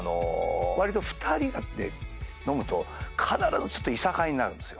わりと２人で飲むと必ずいさかいになるんですよ。